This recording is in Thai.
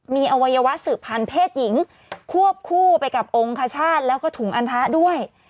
มีอวัยวะสืบพันธ์เพศหญิงควบคู่ไปกับองคชาติแล้วก็ถุงอันทะด้วย